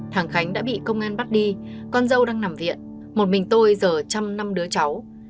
thằng khánh đã bị công an bắt đi con dâu đang nằm viện một mình tôi giờ chăm năm đứa cháu